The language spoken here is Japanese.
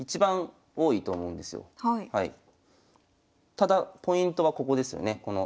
ただポイントはここですよね。